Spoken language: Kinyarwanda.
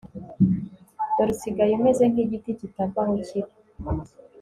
Dore usigaye umeze nkigiti kitava aho kiri